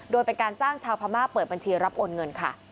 โดยเป็นการจ้างชาวพม่าเปิดบัญชีรับโอนเงินค่ะ